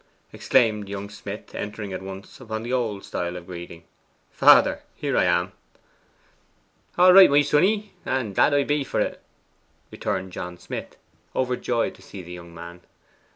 exclaimed young Smith, entering at once upon the old style of greeting. 'Father, here I am.' 'All right, my sonny; and glad I be for't!' returned John Smith, overjoyed to see the young man.